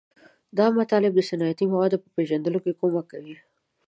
دا مطالب د صنعتي موادو په پیژندلو کې کومک کوي.